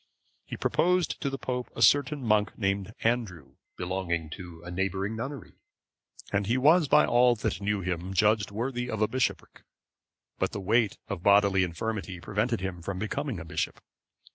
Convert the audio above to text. He proposed to the pope a certain monk named Andrew, belonging to a neighbouring nunnery(523) and he was by all that knew him judged worthy of a bishopric; but the weight of bodily infirmity prevented him from becoming a bishop.